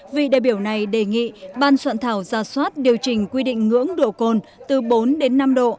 vị đại biểu này đề nghị ban soạn thảo ra soát điều chỉnh quy định ngưỡng độ cồn từ bốn đến năm độ